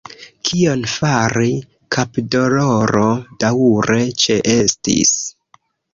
Kion fari – kapdoloro daŭre ĉeestis.